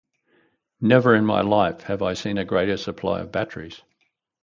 Never in my life have I seen a greater supply of batteries.